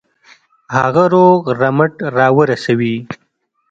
هغه روغ رمټ را ورسوي.